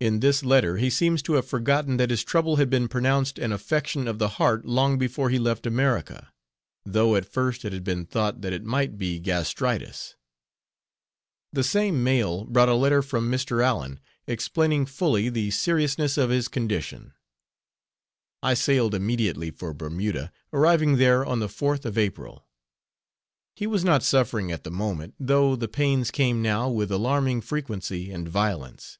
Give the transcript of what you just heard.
S. A.) In this letter he seems to have forgotten that his trouble had been pronounced an affection of the heart long before he left America, though at first it had been thought that it might be gastritis. The same mail brought a letter from Mr. Allen explaining fully the seriousness of his condition. I sailed immediately for Bermuda, arriving there on the 4th of April. He was not suffering at the moment, though the pains came now with alarming frequency and violence.